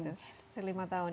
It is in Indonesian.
masuk lima tahun